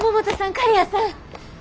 刈谷さん！